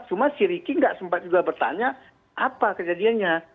cuma si riki nggak sempat juga bertanya apa kejadiannya